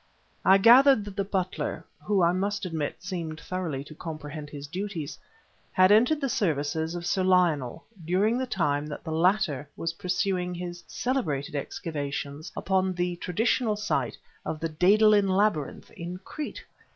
I gathered that the butler (who, I must admit, seemed thoroughly to comprehend his duties) had entered the service of Sir Lionel during the time that the latter was pursuing his celebrated excavations upon the traditional site of the Daedalian Labyrinth in Crete.